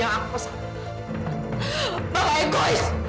bapak selalu penting dia sendiri